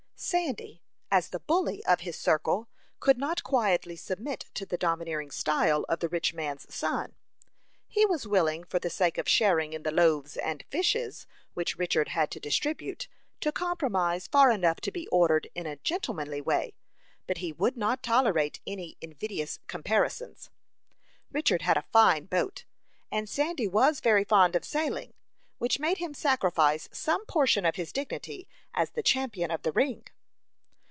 Sandy, as the "bully" of his circle, could not quietly submit to the domineering style of the rich man's son. He was willing, for the sake of sharing in the "loaves and fishes," which Richard had to distribute, to compromise far enough to be ordered in a gentlemanly way; but he would not tolerate any invidious comparisons. Richard had a fine boat, and Sandy was very fond of sailing, which made him sacrifice some portion of his dignity as the champion of the ring.